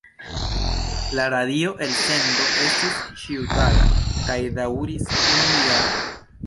La radio-elsendo estis ĉiutaga kaj daŭris unu jaron.